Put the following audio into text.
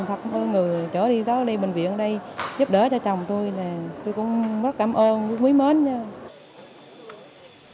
thật ơn người chở đi đó đi bệnh viện ở đây giúp đỡ cho chồng tôi nè tôi cũng rất cảm ơn quý mến nha